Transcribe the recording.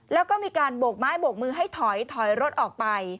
แล้วก็มีการโบกไม้โบกมือให้ถอยถอยรถออกไป